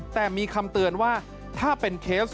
แต่มีคำเตือนว่าถ้าเป็นเคส